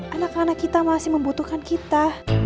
anak anak kita masih membutuhkan kita